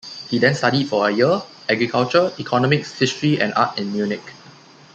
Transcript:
He then studied for a year agriculture, economics, history and art in Munich.